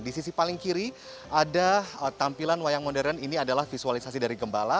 di sisi paling kiri ada tampilan wayang modern ini adalah visualisasi dari gembala